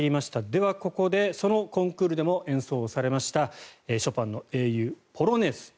では、ここでそのコンクールでも演奏されましたショパンの「英雄ポロネーズ」